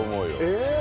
えっ？